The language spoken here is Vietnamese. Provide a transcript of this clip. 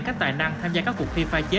các tài năng tham gia các cuộc thi pha chế